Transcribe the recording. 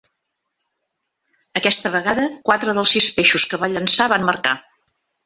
Aquesta vegada, quatre dels sis peixos que va llançar van marcar.